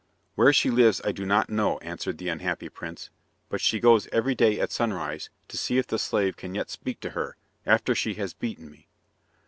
"Where she lives I do not know," answered the unhappy prince, "but she goes every day at sunrise to see if the slave can yet speak to her, after she has beaten me."